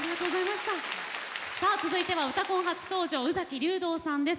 続いては「うたコン」初登場宇崎竜童さんです。